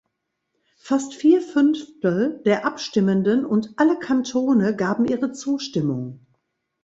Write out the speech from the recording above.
Fast vier Fünftel der Abstimmenden und alle Kantone gaben ihre Zustimmung.